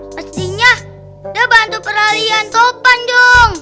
mestinya dia bantu peralian topan dong